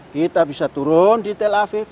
kita bisa turun di tel aviv